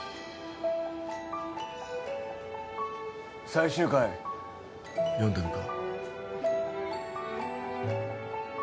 最終回読んだのか？